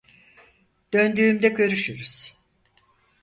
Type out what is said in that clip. Döndüğümde görüşürüz.